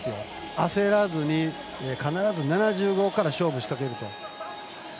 焦らずに、必ず７５から勝負を仕掛けると。